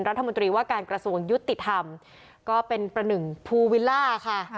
รัฐมนตรีว่าการกระทรวงยุติธรรมก็เป็นประหนึ่งภูวิลล่าค่ะ